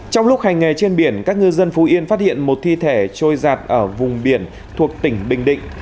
trong lúc hành nghề trên biển các ngư dân phú yên phát hiện một thi thể trôi giặt ở vùng biển thuộc tỉnh bình định